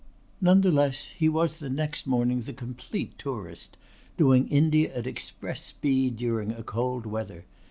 None the less he was the next morning the complete tourist doing India at express speed during a cold weather.